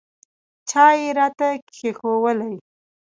چای یې راته کښېښوولې.